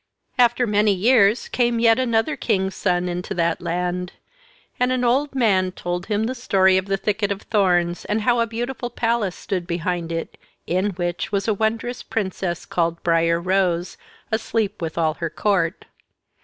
"] After many years came yet another king's son into that land, and an old man told him the story of the thicket of thorns, and how a beautiful palace stood behind it, in which was a wondrous princess, called Briar Rose, asleep with all her court.